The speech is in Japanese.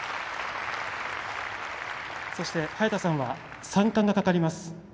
そして、早田さんは３冠がかかります。